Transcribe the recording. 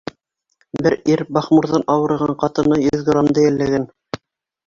Бер ир бахмурҙан ауырыған, ҡатыны йөҙ грамды йәлләгән.